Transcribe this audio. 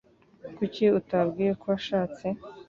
Kuki utabwiye ko washatse?